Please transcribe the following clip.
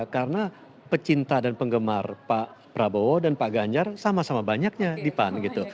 karena pecinta dan penggemar pak prabowo dan pak gajar sama sama banyaknya di pan gitu